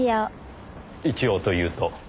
一応というと？